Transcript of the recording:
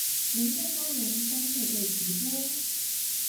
您的發言將會被直播